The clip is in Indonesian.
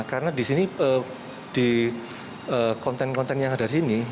karena di sini di konten konten yang ada di sini